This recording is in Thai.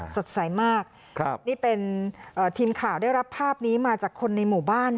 สดใสมากนี่เป็นทีมข่าวได้รับภาพนี้มาจากคนในหมู่บ้าน